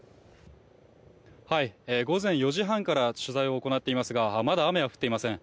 午前４時半から取材を行っていますがまだ雨は降っていません。